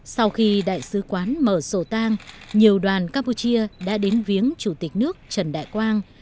sau khi đại sứ quán mở sổ tang nhiều đoàn campuchia đã đến viếng chủ tịch nước trần đại quang